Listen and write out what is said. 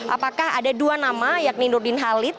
apakah ada dua nama yakni nurdin halid